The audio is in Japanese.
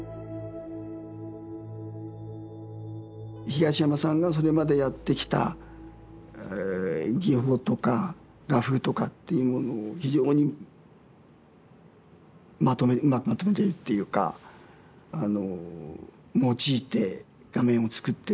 東山さんがそれまでやってきた技法とか画風とかっていうものを非常にうまくまとめているっていうか用いて画面を作っている。